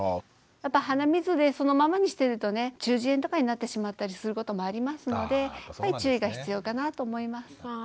やっぱり鼻水でそのままにしてるとね中耳炎とかになってしまったりすることもありますので注意が必要かなと思います。